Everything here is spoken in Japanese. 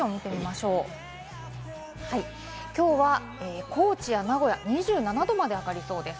きょうは高知や名古屋２７度まで上がりそうです。